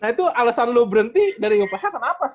nah itu alasan lu berhenti dari uph kan apa sih